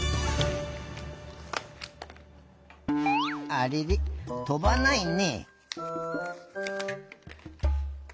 あれれとばないねえ。